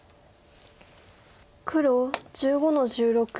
黒１５の十六。